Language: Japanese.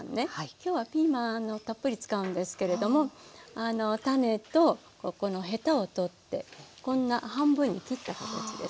今日はピーマンたっぷり使うんですけれども種とこのヘタを取ってこんな半分に切った形ですね。